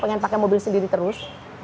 pengen pakai mobil sendiri terus